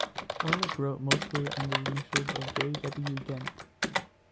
Worlidge wrote mostly under the initials of J. W., Gent.